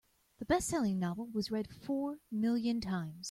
The bestselling novel was read four million times.